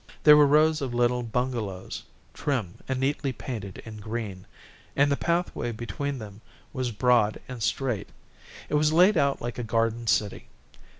There were rows of little bungalows, trim and neatly painted in green, and the pathway between them was broad and straight. It was laid out like a garden city.